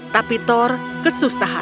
tapi kau berusaha